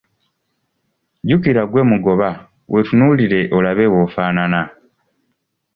Jjukira ggwe mugoba, weetunuulire olabe bw'ofaanana.